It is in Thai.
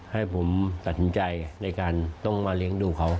ให้ผมตัดสินใจในการต้องมาเลี้ยงดูเขา